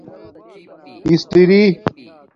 استرݵ